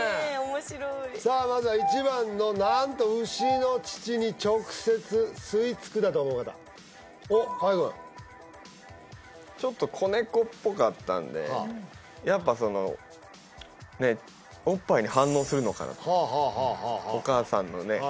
面白いさあまずは１番の何と牛の乳に直接吸いつくだと思う方おっ河合君ちょっと子猫っぽかったんでやっぱそのおっぱいに反応するのかなとはあはあお母さんのね